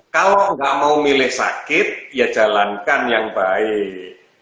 kalau nggak mau milih sakit ya jalankan yang baik